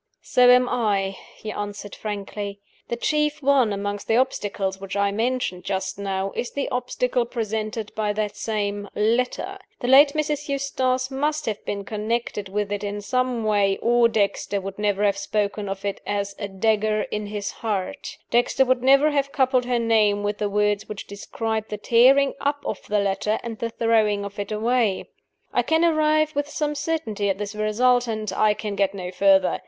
"So am I," he answered, frankly. "The chief one among the obstacles which I mentioned just now is the obstacle presented by that same 'letter.' The late Mrs. Eustace must have been connected with it in some way, or Dexter would never have spoken of it as 'a dagger in his heart'; Dexter would never have coupled her name with the words which describe the tearing up of the letter and the throwing of it away. I can arrive with some certainty at this result, and I can get no further.